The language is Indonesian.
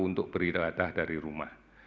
untuk beriradah dari rumah